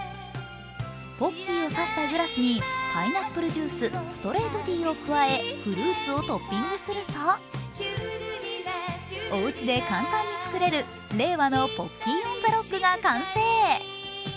ポッキーをさしたグラスにパイナップルジュース、ストレートティーを加えフルーツをトッピングすると、おうちで簡単に作れる令和のポッキー・オン・ザ・ロックが完成。